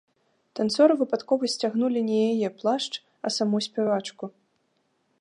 Танцоры выпадкова сцягнулі не яе плашч, а саму спявачку.